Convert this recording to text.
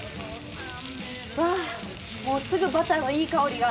わぁもうすぐバターのいい香りが。